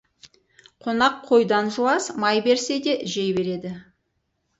Қонақ қойдан жуас, май берсе де, жей береді.